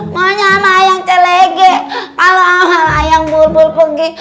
maunya anak ayam celege kalau anak ayam bulbul pergi